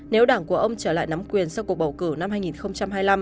nếu đảng của ông trở lại nắm quyền sau cuộc bầu cử năm hai nghìn hai mươi năm